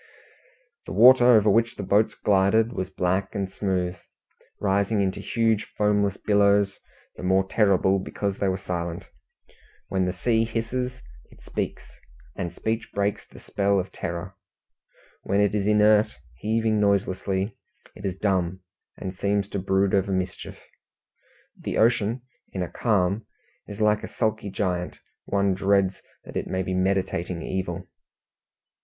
The water over which the boats glided was black and smooth, rising into huge foamless billows, the more terrible because they were silent. When the sea hisses, it speaks, and speech breaks the spell of terror; when it is inert, heaving noiselessly, it is dumb, and seems to brood over mischief. The ocean in a calm is like a sulky giant; one dreads that it may be meditating evil.